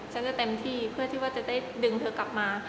ฉันจะเต็มที่เพื่อที่ว่าจะได้ดึงเธอกลับมา